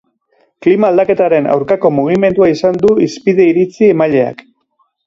Klima-aldaketaren aurkako mugimendua izan du hizpide iritzi-emaileak.